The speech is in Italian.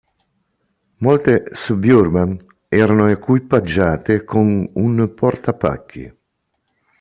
Molte Suburban erano equipaggiate con un portapacchi.